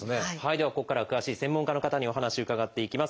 ではここからは詳しい専門家の方にお話伺っていきます。